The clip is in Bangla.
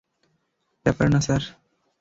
ব্যাপার না, স্যার।